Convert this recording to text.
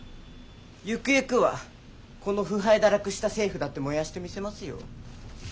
ゆくゆくはこの腐敗堕落した政府だって燃やしてみせますよ。